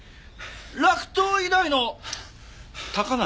洛東医大の高梨？